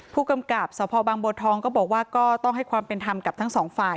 ผู้กำกับสพบังบัวทองก็บอกว่าก็ต้องให้ความเป็นธรรมกับทั้งสองฝ่าย